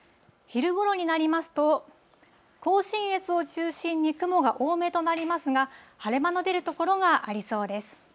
昼ごろになりますと、甲信越を中心に雲が多めとなりますが、晴れ間の出る所がありそうです。